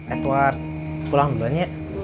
edward pulang belanja ya